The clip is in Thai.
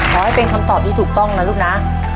ขอให้เป็นคำตอบที่ถูกต้องนะลูกนะ